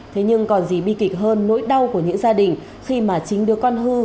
thế nhưng còn gì bi kịch hơn nỗi đau của những gia đình khi mà chính đứa con hư